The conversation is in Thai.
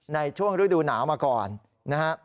ในช่วงฤดูหนาวมาก่อนนะฮะ